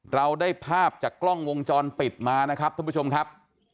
เราได้ภาพจากกล้องวงจรปิดมานะครับท่านผู้ชมครับ